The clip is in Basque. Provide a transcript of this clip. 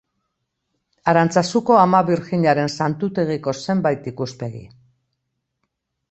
Arantzazuko Ama Birjinaren Santutegiko zenbait ikuspegi.